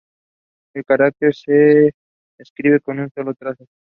El carácter の se escribe con un solo trazo.